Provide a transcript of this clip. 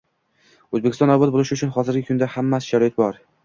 O‘zbekiston obod bo‘lishi uchun hozirgi kunda hamma sharoit bor.